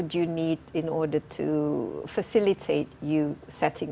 untuk menetapkan sesuatu seperti ini